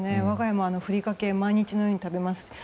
我が家もふりかけを毎日のように食べます。